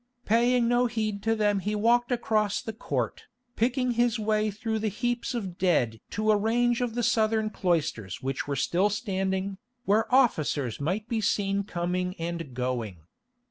Paying no heed to them he walked across the court, picking his way through the heaps of dead to a range of the southern cloisters which were still standing, where officers might be seen coming and going.